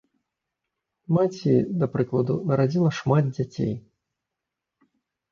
Маці, да прыкладу, нарадзіла шмат дзяцей.